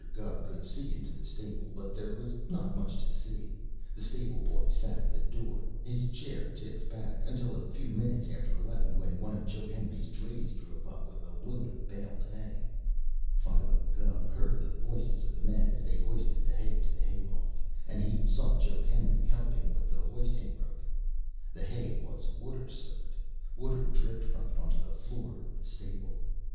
Gubb could see into the stable, but there was not much to see. The stable boy sat at the door, his chair tipped back, until a few minutes after eleven, when one of Joe Henry's drays drove up with a load of baled hay. Philo Gubb heard the voices of the men as they hoisted the hay to the hay loft, and he saw Joe Henry helping with the hoisting rope. The hay was water soaked. Water dripped from it onto the floor of the stable.